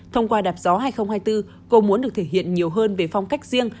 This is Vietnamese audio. thông qua đạp gió hai nghìn hai mươi bốn cô muốn được thể hiện nhiều hơn về phong cách riêng